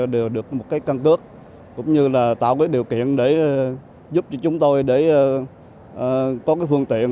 đều được một cái căn cước cũng như là tạo cái điều kiện để giúp cho chúng tôi để có cái phương tiện